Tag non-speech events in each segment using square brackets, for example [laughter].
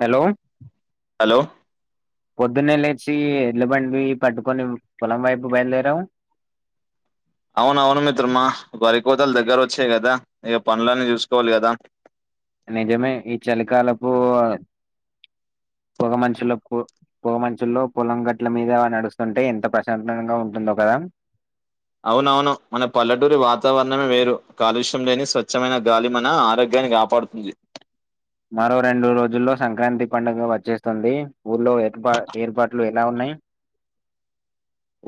hello hello పొద్దున్నే లేచి ఏండ్లబండి పట్టుకొని పొలం వైపు బయలుదేరావ్ అవునవును మిత్రమా వరి కోతల్ దగ్గర వచ్చాయి కదా ఇక పనులన్నీ చూసుకోవాలి కదా నిజమే ఈ చలికాలపు పొగా మంచులపు పొగా మంచుల్లో పొలం గట్ల మీద నడుస్తుంటే ఎంత ప్రశాంతంగా ఉంటుందో కదా అవునవును మన పల్లటూరి వాతావరణమే వేరు కాలుష్యం లేని స్వచ్మైన గాలి మన ఆరోగ్య కాని కాపాడుతుంది మరో రెండు రోజుల్లో సంక్రాంతి పండుగ వచ్చేస్తుంది ఊర్లో ఏర్పా ఏర్పాట్లు ఎలా ఉన్నాయి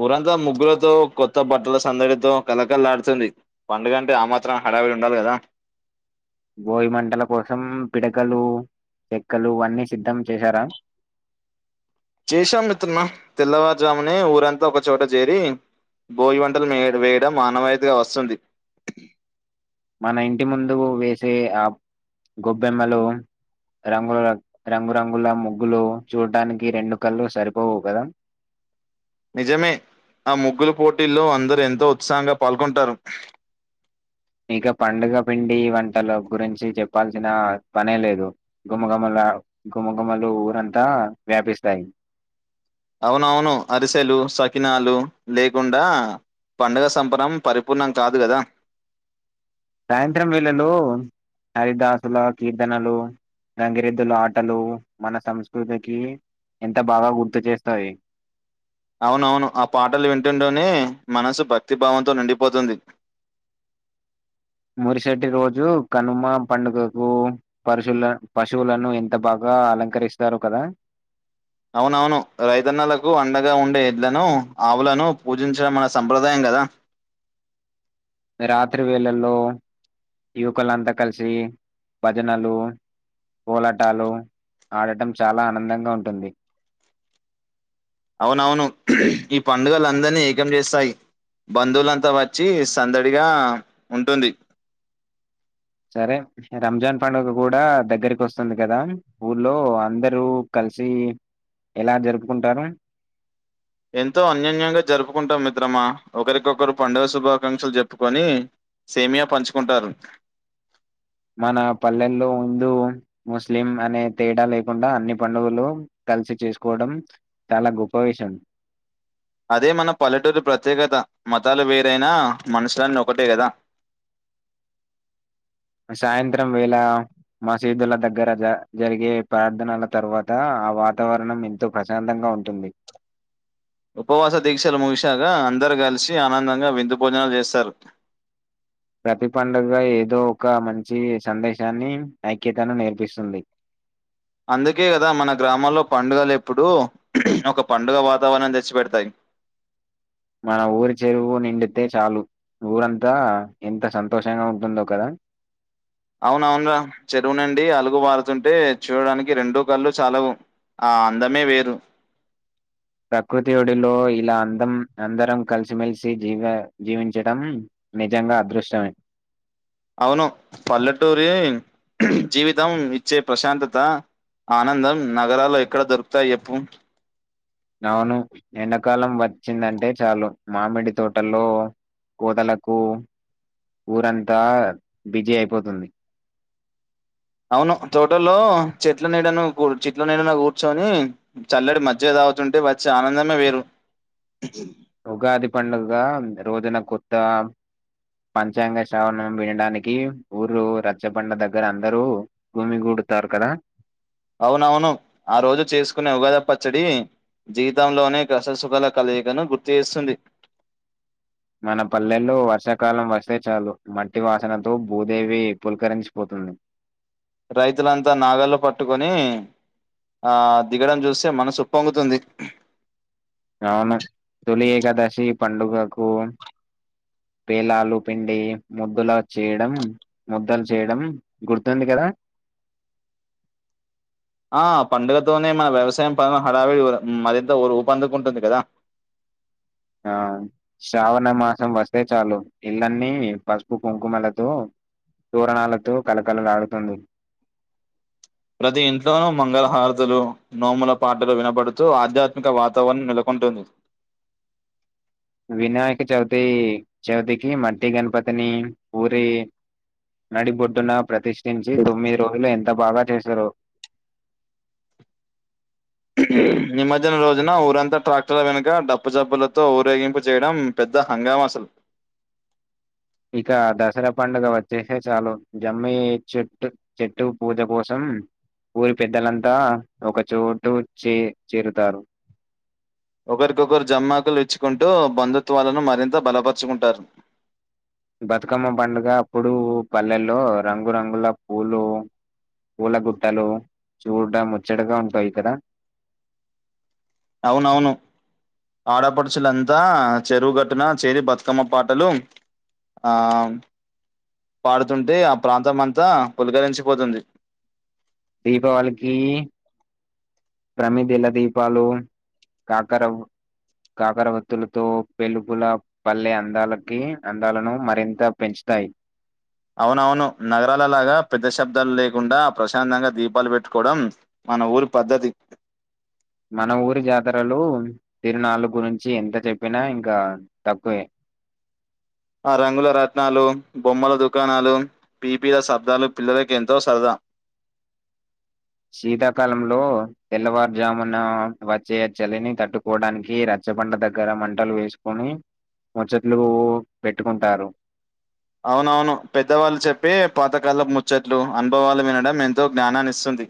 ఉరంతా ముగ్గులతో కొత్త బట్టల సందడితో కళ్లకల్లాడుతుంది పండుగంటే ఆమాత్రం హడావిడి ఉండాలి కదా [inaudible] బోగి మంటల కోసం పిడకలు చెక్కలు అన్నీ సిద్ధం చేసారా [inaudible] చేశాం మిత్రుమా తెల్లవారుజామునే ఊరంతా ఒకచోట చేరి భోగీ మంటలు వేయడం ఆనవాయితగా వస్తుంది మన ఇంటి ముందు వేసే ఆ గొబ్బెమ్మలు రంగుల రంగురంగుల ముగ్గులు చూడ్టనికి రెండు కళ్లు సరిపోవు కదా [inaudible] నిజమే ఆ ముగ్గుల పోటీల్లో అందరుూ ఎంతో ఉత్సాహంగా పాల్గొంటారు [inaudible] ఇక పండుగ పిండి వంటల గురించి చెప్పాల్సిన పనే లేదు గుమగుమల గుమగుమలు ఊరంతా వ్యాపిస్తాయి అవునవును అరిసెలు సకినాలు లేకుండా పండగ సంబరం పరిపూర్ణం కాదు గదా సాయంత్రం వేళ్లలో హరిదాసుల కీర్తనలు గంగిరెద్దుల ఆటలు మన సంస్కృతికి ఎంత బాగా గుర్తు చేస్తాయి అవునవును ఆ పాటలు వింటుంటెనే మనసు భక్తిభావంతో నిండిపోతుంది [inaudible] మురుసటి రోజు కనుమ పండుగకు పర్శుల పశువులను ఎంత బాగా గా అలంకరిస్తారు కదా అవునవును రైతన్నలకు అండగా ఉండే ఎడ్లను ఆవులను పూజించడం మన సంప్రదాయం కదా రాత్రి వేళల్లో యువకులంతా కలిసి భజనలు కోలాటాలు ఆడటం చాలా ఆనందంగా ఉంటుంది అవునవును ఈ పండుగలు అందరినీ ఏకం చేస్తాయి బంధువులంతా వచ్చి సందడిగా ఉంటుంది సరే రంజాన్ పండుగ కూడా దగ్గరకి వస్తుంది కదా ఊర్లో అందరు కల్ కలిసి ఎలా జరుపుకుంటారు ఎంతో అన్యోన్యంగా జరుపుకుంటాం మిత్రమా ఒకరికొకరు పండుగ శుభాకాంక్షలు చెప్పుకొని సేమియా పంచుకుంటారు మన పల్లెల్లో హిందూవు ముస్లిం అనే తేడా లేకుండా అన్ని పండుగలు కలిసి చేసుకోడం చాలా గొప్ప విషయం అదే మన పల్లెటూరు ప్రత్యేకత మతాలు వేరైనా మనుషులన్ ఒకటే కదా [inaudible] సాయంత్రం వేళ మసీదుల దగ్గర జ జరిగే ప్రార్థనల తరువాత ఆ వాతావరణం ఎంతో ప్రశాంతంగా ఉంటుంది ఉపవాస దీక్షలు ముగిశాక అందరు కలిసి ఆనందంగా విందు భోజనాలు చేస్తారు [inaudible] ప్రతి పండుగ ఏదో ఒక మంచి సందేశాన్ని ఐక్యతను నేర్పిస్తుంది [inaudible] అందుకే కదా మన గ్రామల్లో పండుగలు ఎప్పుడు ఒక పండుగ వాతావరణం తెచ్చి పెడతాయ్ మన ఊరి చెరువు నిండితే చాలు ఊరంతా ఎంత సంతోషంగా ఉంటుందో కదా అవునవును రా చెరువునిండి అలుగు బారుతుంటే చూడడానికి రెండూ కళ్ళు చాలవు ఆ అందమే వేరు ప్రకృతి ఒడిలో ఇలా అందం అందరం కలిసిమెలిసి జీవ జీవించడం నిజంగా అదృష్టమే అవును పల్లెటూరి జీవితం ఇచ్చే ప్రశాంతత ఆనందం నగరాల్లో ఎక్కడ దొరుకుతాయి ఎప్పు అవును ఎండాకాలం వచ్చిందంటే చాలు మామిడి తోటల్లో కోతలకు ఊరంతా బిజీ అయిపోతుంది అవును తోటోల్లో చెట్లు నీడను కూర్ చెట్ల నీడన కూర్చొని చల్లడి మజ్జిగ తాగ్ తాగుతుంటే వచ్చే ఆనందమే వేరు ఉగాది పండుగ రోజున కొత్త పంచాంగ శ్రవరణం వినడానికి ఊరు రచ్చ బండ దగ్గర అందరూ గుమిగు కొడతారు కదా అవునవును ఆ రోజు చేసుకునే ఉగాద పచ్చడి జీవితంలోనే కష్టసుఖాల కలలియికను గుర్తు చేస్తుంది మన పల్లెల్లో వర్షాకాలం వస్తే చాలు మట్టి వాసనతో భూదేవి పులకరించిపోతుంది రైతులంతా నాగ్గలు పట్టుకొని ఆ దిగడం చూస్తే మనసు ఉపొంగుతుంది అవును తొలి ఏకాదశి పండుగకు పేలాలు పిండి ముద్దుల చేయడం ముద్దలు చేయడం గుర్తుంది కదా ఆ పండుగతోనే మన వ్యవసాయం పదన హడావిడి మరింత ఊపందుకుంటుంది కదా ఆ శ్రావణ మాసం వస్తే చాలు ఇల్లన్నీ పసుపు కుంకుమలతో తోరణాలతో కలకలలాడుతుంది ప్రతి ఇంట్లోనూ మంగళహారతులు నోముల పాటలు వినబడుతూ ఆధ్యాత్మిక వాతావరణం నెలకొ ఉంటుంది వినాయక చవితి చవితికి మట్టి గణపతిని ఊరి నడిబొడ్డు నా ప్రతిష్ తించి తొమ్మిది రోజులు ఎంత బాగా చేశారో నిమజ్జనం రోజున ఊరంతా ట్రాక్టర్ల వెనుక డబ్ప్పు చప్పులతో ఊరేగింపు చేయడం పెద్ ద్ద హంగామ అసలు ఇక దసరా పండుగ వచ్చేసే చాలు జమ్మి చెట్టు చెట్టు పూజ కోసం ఊరి పెద్దలంతా ఒక చోటు చే చేరుతారు ఒకరికొకరు జమ్మాకులు ఇచ్చుకుంటూ బంధుత్వాలను మరింత బలపరచుకుంటారు బతుకమ్మ పండుగ అప్పుడు పల్లెల్లో రంగురంగుల పూలు పూల గుట్టలు చూడ ముచ్చడగా ఉంటాయి కదా అవునవును ఆడపడుచులంతా చెరువుగట్టున చేరి బతుకమ్మ పాటలు ఆ పాడుతుంటే ఆ ప్రాంతం అంతా పులకరించిపోతుంది దీపావళికీ ప్రమిదిల దీపాలు కాకరవ్ కాకర వత్తులతో పెలుపుల పల్లె అందాలకి అందాలను మరింత పెంచ్ తయ్ అవునవును నగరాలలాగా పెద్ద శబ్దాలు లేకుండా ప్రశాంతంగా దీపాలు పెట్టుకోవడం మన ఊరి పద్ధతి మన ఊరి జాతరలు తిరునాళ్ళ గురించి ఎంత చెప్పినా ఇంకా తక్కువే ఆ రంగుల రట్నాలు బొమ్మల దుకాణాలు పీపీల శబ్దాలు పిల్లలక ఎంతో సరదా శీతాకాలంలో తెల్లవారుజామున వచ్చే చలిని తట్టుకోవడానికి రచ రచ్చబండ దగ్గర మంటలు వేసుకుని ముచ్చట్లు పెట్టుకుంటారు అవునవును పెద్దవాళ్ళు చెప్పి పాతకల్ప ముచ్చట్లు అనుభవాలు వినడం ఎంతో జ్ఞానాన్నిస్తుంది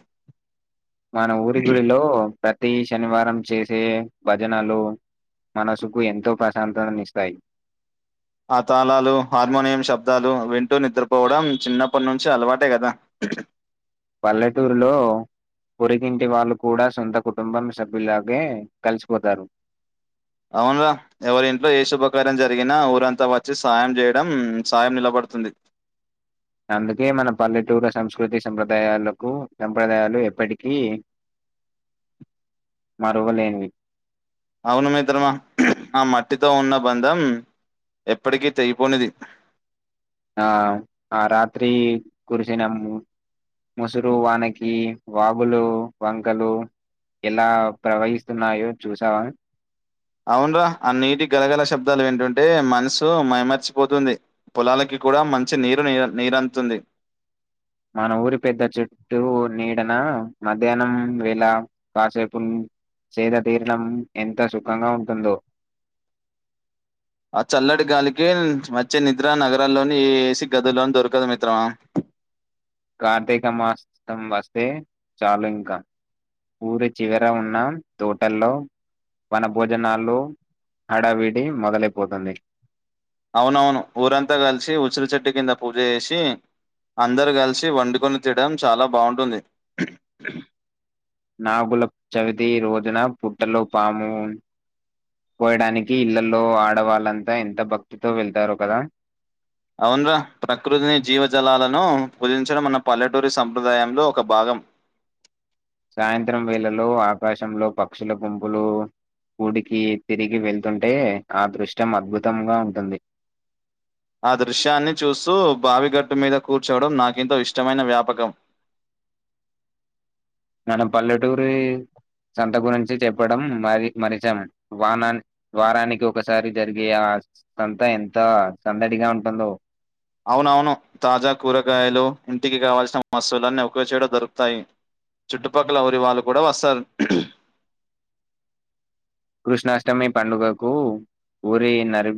మన ఊరి గుడిలో ప్రతి శనివారం చేసే భజనలు మనసుకు ఎంతో ప్రశాంతత్నిస్తాయి ఆ తాళాలు హార్మోనియం శబ్దాలు వింటూ నిద్రపోవడం చిన్నప్పటి నుంచి అలవాటే కదా పల్లెటూరులో పొరిగింటి వాళ్ళు కూడా సొంత కుటుంబం సభ్యులాగే కలిసిపోతారు అవున్రా ఎవరి ఇంట్లో ఏ శుభకార్యం జరిగినా ఊరంతా వచ్చి సాయం చేయడం సాయం నిలబడుతుంది అందుకే మన పల్లెటూరు సంస్కృ ప్రకృతి సంప్రదాయాలకు సంప్రదాయాలు ఎప్పటికీ మరువలేన్వి అవును మిత్రమా ఆ మట్టితో ఉన్న బంధం ఎప్పటికీ తెగిపోనిది ఆ ఆ రాత్రి కురిసిన ముసురు వానకి వాగులు వంకలు ఎలా ప్రవహిస్తున్నాయో చూసావా అవున్రా ఆ నీటి గలగల శబ్దాలు విన్టంటే మనసు మైమర్చిపోతుంది పొలాలకి కూడా మంచి నీరు నిరంధుతుంది మన ఊరి పెద్ద చుట్టు నీడన మధ్యాహ్నం వేలా కాసేపు సేదా తీరడం ఎంత సుఖంగా ఉంటుందో ఆ చల్లడి గాలికి వచ్చే నిద్ర నగరాల్లోని ఏ ఏసి గదులో దొరకదు మిత్రమా కార్తీక మాసం వస్తే చాళంక ఊరి చివర ఉన్న తోటల్లో వన భోజనాల్లో హడవిడి మొదలైపోతుంది అవునవును ఊరంతా కలిసి ఉసిరి చెట్టు కింద పూజ చేసి అందరు కలిసి వండుకొని తినాడం చాలా బాగుంటుంది నాగుల చవితి రోజున పుట్టలో పాము పోయడానికి ఇళ్లల్లో ఆడవాళ్ళంతా ఎంత భక్తితో వెళ్తారు కదా అవున్రా ప్రకృతిని జీవజలాలను పూజించడం మన పల్లెటూరి సంప్రదాయంలో ఒక భాగం సాయంత్రం వేళలో ఆకాశంలో పక్షుల గుంపులు గుడికి తిరిగి వెళ్తుంటే ఆ దృష్టం అద్భుతంగా ఉంటుంది ఆ దృశ్యాన్ని చూస్తూ బావిగట్టు మీద కూర్చోవడం నాకుంతో ఇష్టమైన వ్యాపకం మనపల్లెటూరి సంత గురించి చెప్పడం మరి మరిచం వానా వారానికి ఒకసారి జరిగే ఆ సంత ఎంత సందడిగా ఉంటుందో అవునవును తాజ కూరగాయలు ఇంటికి కావాల్సిన వసూలన్నీ ఒకే చొట దొరుకుతాయి చుట్టుపక్కల ఊరి వాళ్ళు కూడ వస్తరు కృష్ణాష్టమి పండుగకు ఊరి నరి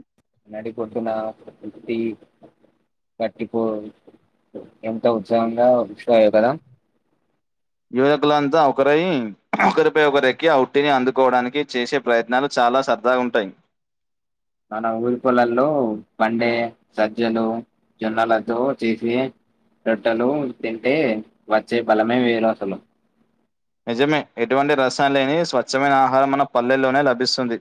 నడీ గొడ్డున పుట్టి వాట్టికు ఎంతో ఉత్సాహంగ ఉషయో కద యువకులంతా ఒకరై ఒకరిపై ఒకరెక్కి అ ఉట్టిని అందుకోవడానికి చేసే ప్రయత్నాలు చ చాల సరదాగ ఉంటయి మన ఊరి పొలల్లో బండే సజ్జలు జనాలతో చేసి రొట్టెలు తింటే వచ్చే బలమే వేరు అసలు నిజమే ఎటువంటి రసాయన లేని స్వచ్ఛమైన ఆహారం మన పల్లెల్లోనే లభిస్తుంది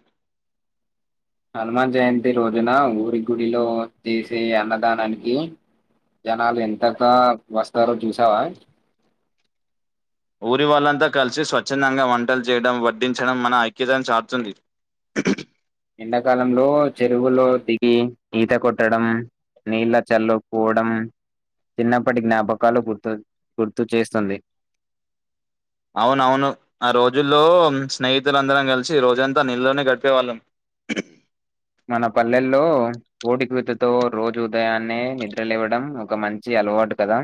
[inaudible] హనుమాన్ జయంతి రోజున ఊరి గుడిలో చేసే అన్నదానానికి జనాలు ఎంతత్త వస్తరో చూసావ ఊరి వాళ్ళంతా కలిసి స్వచ్ఛందంగా వంటలు చేయడం వడ్డించడం మన ఐక్యతను చాటుతుంది ఎండాకాలంలో చెరువులో దిగి ఈత కొట్టడం నీళ్ళ చల్లుపోడం చిన్నప్పటి జ్ఞాపకాలు గుర్తు చేస్తుంది అవునవును ఆ రోజుల్లో స్నేహితులందరం కలిసి రోజంతా నిళ్లోనే గడిపేవాళ్ళం [inaudible] మన పల్లెల్లో ఓటికుతతో రోజు ఉదయాన్నే నిద్ర లేవడం ఒక మంచి అలవాటు కదా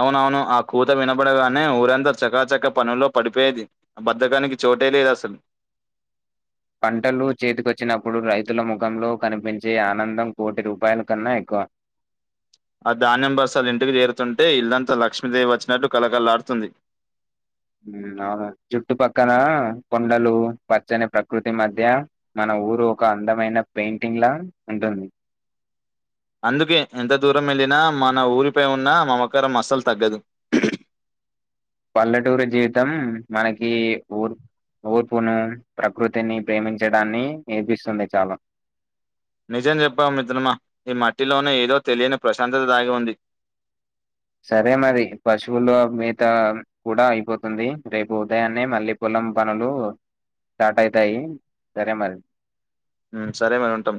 అవునవును ఆ కూత వినబడగానే ఊరంతా చకాచక్క పనుల్లో పడిపోయేది ఆ బద్ధకానికి చోటెలేదసలు [inaudible] పంటలు చేతికొచ్చినప్పుడు రైతుల ముఖంలో కనిపించే ఆనందం కోటి రూపాయల కన్నా ఎక్కువ [inaudible] ఆ ధాన్యం బస్తాలు ఇంటికి చేరుతుంటే ఇల్లంతా లక్ష్మీదేవి వచ్చినట్టు కలకళ్లాడుతుంది [inaudible] అవును జుట్టు పక్కన కొండలు పచ్చని ప్రకృతి మధ్య మన ఊరు ఒక అందమైన పెయింటింగ్ లా ఉంటుంది అందుకే ఎంత దూరం వెళ్ళిన మన ఊరిపై ఉన్న మమకారం అస్సలు తగ్గదు [inaudible] పల్లెటూరు జీతం మనకి ఊర్ ఓర్పును ప్రకృతిని ప్రేమించడాన్ని నేర్పిస్తుంది చాలా నిజం చెప్పావు మిత్రమ ఈ మట్టిలోనే ఏదో తెలియని ప్రశాంతత దాగి ఉంది సరే మరీ పశువులు మిత కూడ అయిపోతుంది రేపు ఉదయాన్నే మళ్ళీ పోల మొత్తం పనులు స్టార్ట్ అయితాయి సరే మరి సరే మరీ ఉంటాం